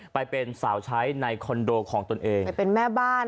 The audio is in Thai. ไปเป็นสาวใช้ในคอนโดของตนเองไปเป็นแม่บ้าน